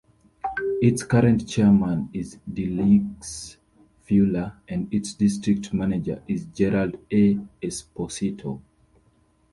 Its current chairman is Dealice Fuller, and its district manager is Gerald A. Esposito.